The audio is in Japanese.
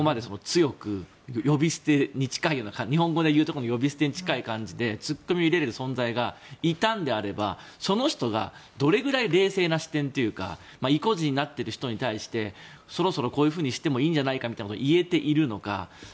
だからまだ日本でいう呼び捨てに近い感じでツッコミを入れる存在がいたのであればその人がどれだけ冷静な視点というか意固地になっている人に対してそろそろこういうふうにしてもいいんじゃないかといえているのか。